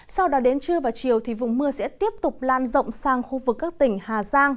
sau đó đến trưa và chiều thì vùng mưa sẽ tiếp tục lan rộng sang khu vực các tỉnh hà giang